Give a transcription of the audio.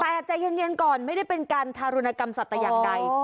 แต่ใจเย็นก่อนไม่ได้เป็นการทารุณกรรมสัตว์แต่อย่างใด